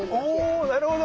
おなるほど。